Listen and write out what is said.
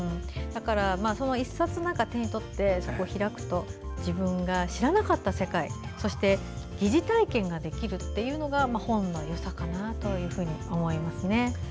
だから、その１冊を手にとって開くと自分が知らなかった世界そして疑似体験ができるというのが本の良さかなと思いますね。